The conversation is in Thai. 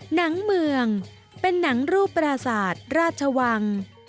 หนังเมืองเป็นหนังรูปปราศาสตร์ราชวัง